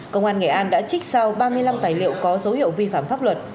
công an nghệ an đã trích sau ba mươi năm tài liệu có dấu hiệu vi phạm pháp luật